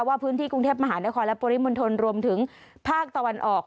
ว่าพื้นที่กรุงเทพมหานครและปริมณฑลรวมถึงภาคตะวันออก